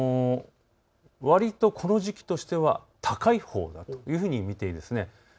わりとこの時期としては高いほうというふうに見ていいです。